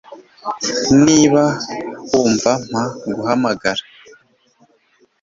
Niba wumva , mpa guhamagara.